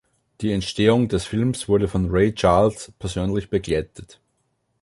Die Entstehung des Films wurde von Ray Charles persönlich begleitet.